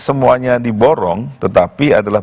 semuanya diborong tetapi adalah